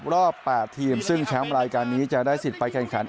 รอบ๘ทีมซึ่งแชมป์รายการนี้จะได้สิทธิ์ไปแข่งขัน